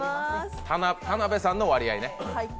田辺さんの割合ね